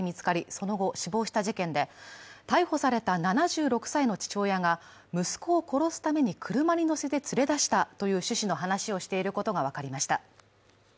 その後、死亡した事件で、逮捕された７６歳の父親が息子を殺すために車に乗せて連れ出したという趣旨の話をしていることが分かりました。